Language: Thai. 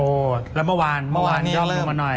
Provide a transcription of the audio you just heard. โอ้โฮแล้วเมื่อวานย่อมดูมาหน่อย